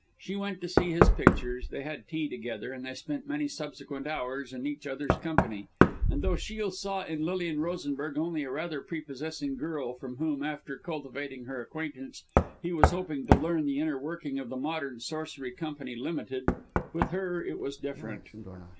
She went to see his pictures, they had tea together, and they spent many subsequent hours in each other's company. And although Shiel saw in Lilian Rosenberg only a rather prepossessing girl from whom, after cultivating her acquaintance, he was hoping to learn the inner working of the Modern Sorcery Company Ltd., with her it was different.